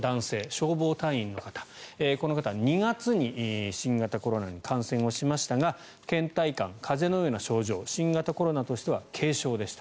消防隊員の方、この方は２月に新型コロナに感染しましたがけん怠感、風邪のような症状新型コロナとしては軽症でした。